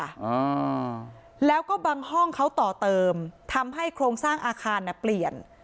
อ่าแล้วก็บางห้องเขาต่อเติมทำให้โครงสร้างอาคารน่ะเปลี่ยน